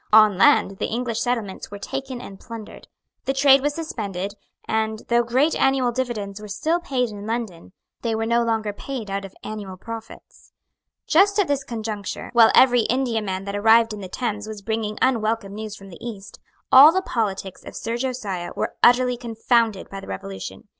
On land the English settlements were taken and plundered. The trade was suspended; and, though great annual dividends were still paid in London, they were no longer paid out of annual profits. Just at this conjuncture, while every Indiaman that arrived in the Thames was bringing unwelcome news from the East, all the politics of Sir Josiah were utterly confounded by the Revolution.